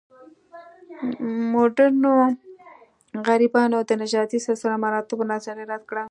مډرنو غربیانو د نژادي سلسله مراتبو نظریه رد کړه.